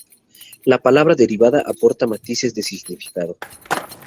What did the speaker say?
La palabra derivada aporta matices de significado.